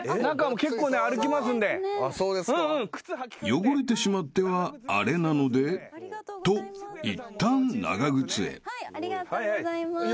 ［汚れてしまってはあれなのでといったん長靴へ］